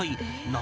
「何？